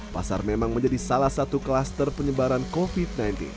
pasar memang menjadi salah satu kluster penyebaran covid sembilan belas